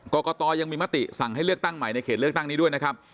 กรกตยังมีมติสั่งให้เลือกตั้งใหม่ในเขตเลือกตั้งนี้ด้วยนะครับ